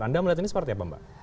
anda melihat ini seperti apa mbak